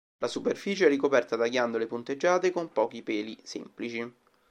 La superficie è ricoperta da ghiandole punteggiate con pochi peli semplici.